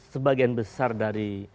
sebagian besar dari